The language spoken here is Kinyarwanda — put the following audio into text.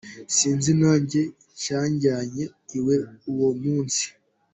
Sinzi nanjye icyanjyanye iwe uwo munsi.